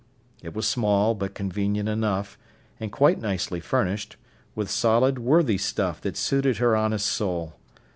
It was small, but convenient enough, and quite nicely furnished, with solid, worthy stuff that suited her honest soul.